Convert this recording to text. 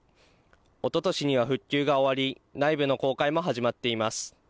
おととしには復旧が終わり、内部の公開も始まっています。